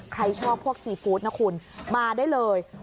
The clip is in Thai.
ใครชอบพวกซีฟู้ดนะคุณมาได้เลย